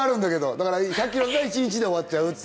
だから１００ｋｍじゃ１日で終わっちゃうっていう。